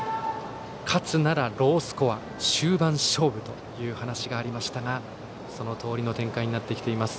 勝つならロースコア終盤勝負という話がありましたがそのとおりの展開になってきています。